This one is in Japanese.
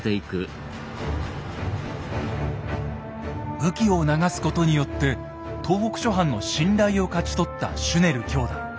武器を流すことによって東北諸藩の信頼を勝ち取ったシュネル兄弟。